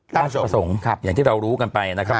ราชประสงค์อย่างที่เรารู้กันไปนะครับ